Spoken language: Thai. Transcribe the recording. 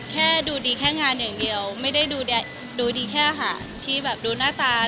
แค่ดูดีแค่งานอย่างเดียวไม่ได้ดูดีแค่อาหารที่แบบดูหน้าตา